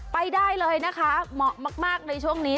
ไปได้เลยนะคะเหมาะมากในช่วงนี้